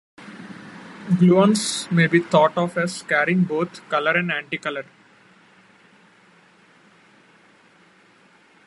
Gluons may be thought of as carrying both color and anticolor.